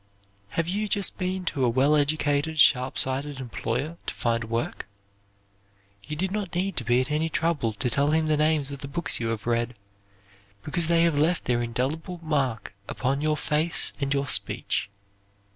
Have you just been to a well educated sharp sighted employer to find work? You did not need to be at any trouble to tell him the names of the books you have read, because they have left their indelible mark upon your face and your speech.